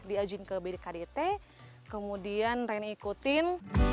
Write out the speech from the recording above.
diajuin ke bkdt kemudian reni ikutin